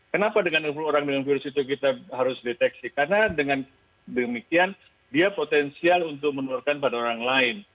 kenapa dengan orang dengan virus itu kita harus deteksi karena dengan demikian dia potensial untuk menularkan pada orang lain